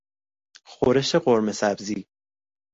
خورش قورمه سبزی